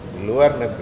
di luar negeri